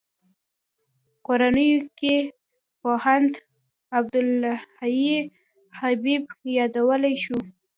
کورنیو کې پوهاند عبدالحی حبیبي یادولای شو.